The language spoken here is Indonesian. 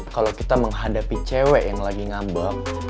kalau kita menghadapi cewek yang lagi ngambek